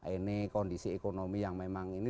ini kondisi ekonomi yang memang ini